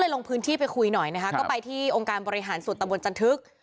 ลงพื้นที่ไปคุยหน่อยนะคะก็ไปที่องค์การบริหารส่วนตะบนจันทึก